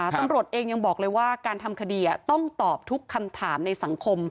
ตำรวจเองยังบอกเลยว่าการทำคดีต้องตอบทุกคำถามในสังคม